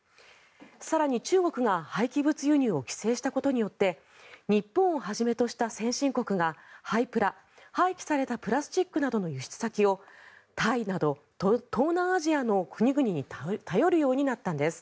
更に中国が廃棄物輸入を規制したことによって日本をはじめとした先進国が廃プラ廃棄されたプラスチックなどの輸出先をタイなど東南アジアの国々に頼るようになったんです。